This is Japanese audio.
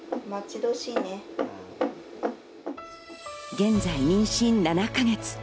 現在、妊娠７か月。